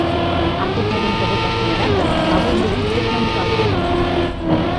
— А сӧсна дене шогылташ тӱҥалам гын, кабуй мыйым «Сӧсна Микал» манаш ынышт тӱҥал.